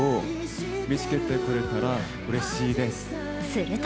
すると